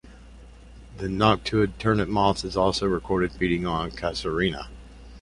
The noctuid turnip moth is also recorded feeding on "Casuarina".